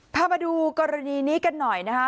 พามาดูกรณีนี้กันหน่อยนะคะ